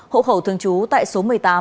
hộ khẩu thường trú tại số một mươi tám